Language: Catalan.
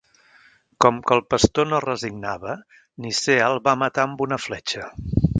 Com que el pastor no es resignava, Nicea el va matar amb una fletxa.